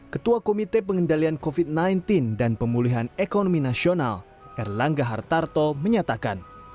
ketua komite pengendalian covid sembilan belas dan pemulihan ekonomi nasional erlangga hartarto menyatakan